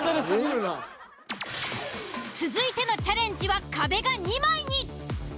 続いてのチャレンジは壁が２枚に。